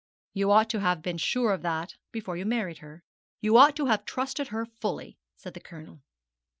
'You ought to have been sure of that before you married her; you ought to have trusted her fully,' said the Colonel.